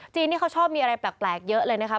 นี่เขาชอบมีอะไรแปลกเยอะเลยนะคะ